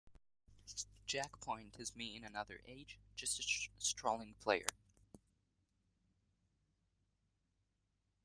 Jack Point is me in another age - just a strolling player.